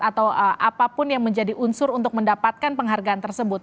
atau apapun yang menjadi unsur untuk mendapatkan penghargaan tersebut